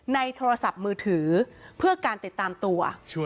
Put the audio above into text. โทรศัพท์มือถือเพื่อการติดตามตัว